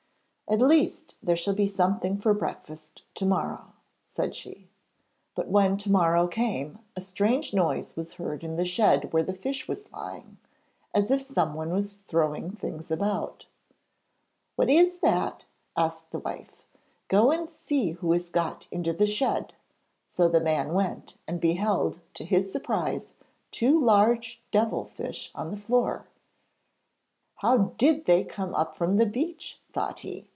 'At least, there shall be something for breakfast to morrow,' said she. But when to morrow came a strange noise was heard in the shed where the fish was lying, as if someone was throwing things about. 'What is that?' asked the wife. 'Go and see who has got into the shed.' So the man went, and beheld, to his surprise, two large devil fish on the floor. 'How did they come up from the beach?' thought he.